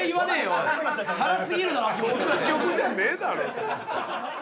そんな曲じゃねえだろ。